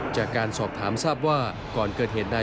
จากการสอบถามทราบว่าก่อนเกิดเหตุใด